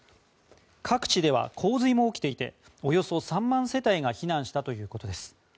各地では洪水も起きていておよそ３万世帯が避難したということです。